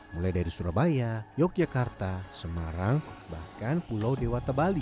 mulai dari surabaya yogyakarta semarang bahkan pulau dewata bali